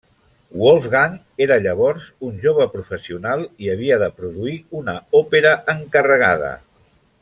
Wolfgang era llavors un jove professional i havia de produir una òpera encarregada.